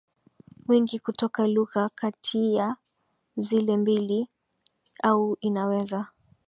mwingi kutoka lugha katiya zile mbili au inaweza